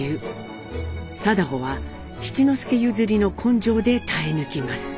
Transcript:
禎穗は七之助ゆずりの根性で耐え抜きます。